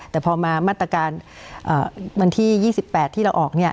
แต่พอมามาตรการอ่าวันที่ยี่สิบแปดที่เราออกเนี้ย